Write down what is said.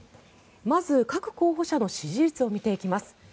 まず、各候補者の支持率を見ていきます。